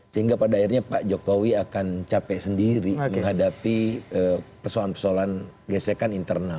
sehingga pada akhirnya pak jokowi akan capek sendiri menghadapi persoalan persoalan gesekan internal